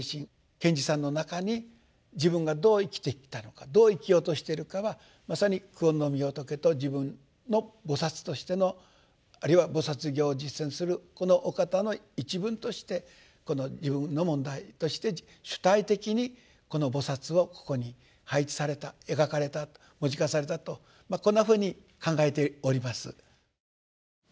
賢治さんの中に自分がどう生きてきたのかどう生きようとしているかはまさに久遠のみ仏と自分の菩薩としてのあるいは菩薩行を実践するこのお方の一分として自分の問題として主体的にこの菩薩をここに配置された描かれたと文字化されたとこんなふうに考えております。